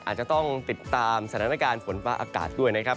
อาจจะต้องติดตามสถานการณ์ฝนฟ้าอากาศด้วยนะครับ